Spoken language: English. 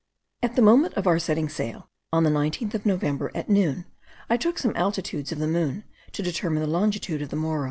At the moment of our setting sail, on the 19th of November, at noon, I took some altitudes of the moon, to determine the longitude of the Morro.